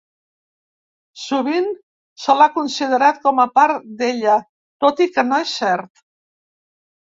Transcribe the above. Sovint se l'ha considerat com a part d'ella, tot i que no és cert.